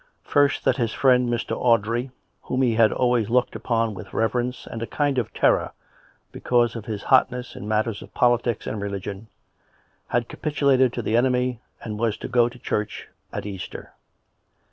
First that his friend Mr. Audrey, whom he had always looked upon with reverence and a kind of terror because of his hotness in matters of politics and religion, had capitulated to the enemy and was to go to church at Easter.